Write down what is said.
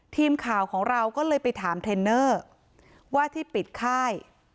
ทีมข่าวของเราก็เลยไปถามเทรนเนอร์ว่าที่ปิดค่าย